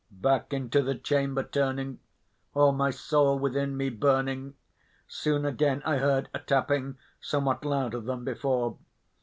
Back into the chamber turning, all my soul within me burning, Soon again I heard a tapping somewhat louder than before.